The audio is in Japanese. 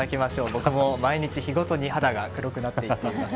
僕も毎日、日ごとに肌が黒くなっていっています。